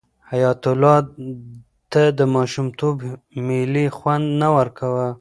حیات الله ته د ماشومتوب مېلې خوند نه ورکاوه.